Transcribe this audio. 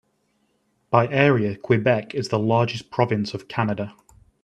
By area, Quebec is the largest province of Canada.